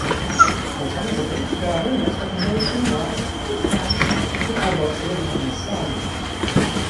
Alternatively, there are rumours that Mason was, in fact, the abbot's illegitimate son.